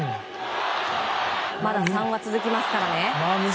まだ３は続きますからね。